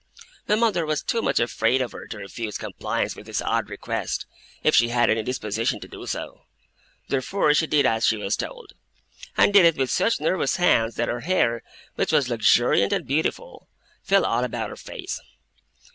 My mother was too much afraid of her to refuse compliance with this odd request, if she had any disposition to do so. Therefore she did as she was told, and did it with such nervous hands that her hair (which was luxuriant and beautiful) fell all about her face.